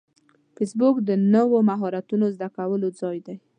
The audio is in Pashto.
فېسبوک د نوو مهارتونو زده کولو ځای دی